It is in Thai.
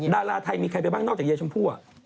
ดาราไทยมีใครไปบ้างนอกจากยายชมพู่